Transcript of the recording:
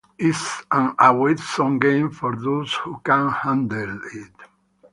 It's an awesome game for those who can handle it.